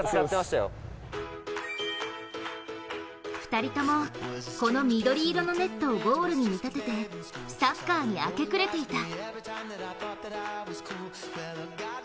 ２人とも、この緑色のネットをゴールに見立ててサッカーに明け暮れていた。